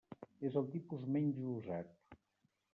És el tipus menys usat.